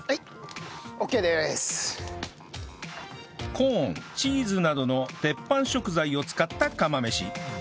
コーンチーズなどのテッパン食材を使った釜飯